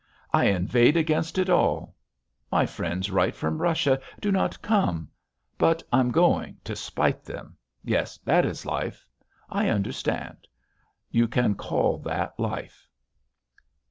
I inveighed against it all. My friends write from Russia: 'Do not come.' But I'm going, to spite them.... Yes.... That is life. I understand. You can call that life."